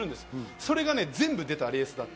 それが全部出たレースだった。